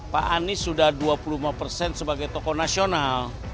pak anies sudah dua puluh lima persen sebagai tokoh nasional